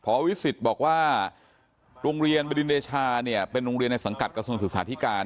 พอวิสิตบอกว่าโรงเรียนบดินเดชาเนี่ยเป็นลองเรียนในสังกัดกระทรวงพระประธาโศนาสุภาธิการ